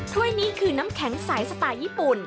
ถ้วยนี้คือน้ำแข็งใสสไตล์ญี่ปุ่น